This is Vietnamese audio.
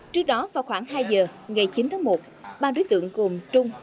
trước đó vào khoảng hai giờ ngày chín tháng một ba đối tượng gồm trung